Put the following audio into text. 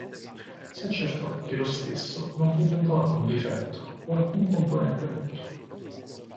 Si accertò che lo stesso non presentò alcun difetto o alcun componente rotto.